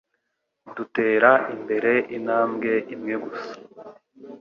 Dutera imbere intambwe imwe gusa.